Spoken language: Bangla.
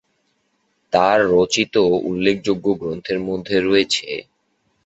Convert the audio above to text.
তার রচিত উল্লেখযোগ্য গ্রন্থের মধ্যে রয়েছে,